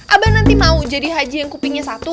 abah nanti mau jadi haji yang kupingnya satu